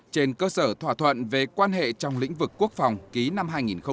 trên cơ sở thỏa thuận về quan hệ trong lĩnh vực quốc phòng ký năm hai nghìn sáu